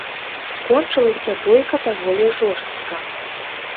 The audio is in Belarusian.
Скончылася бойка даволі жорстка.